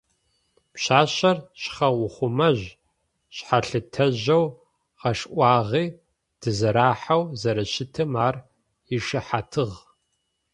Пшъашъэр шъхъэухъумэжь-шъхьэлъытэжьэу, гъэшӏуагъи дызэрахьэу зэрэщытым ар ишыхьатыгъ.